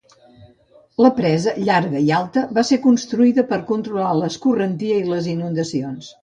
La presa, llarga i alta, va ser construïda per controlar l'escorrentia i les inundacions.